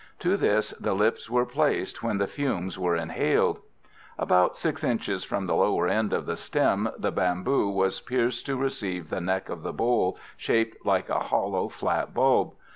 To this the lips were placed when the fumes were inhaled. About 6 inches from the lower end of the stem the bamboo was pierced to receive the neck of the bowl, shaped like a hollow, flat bulb.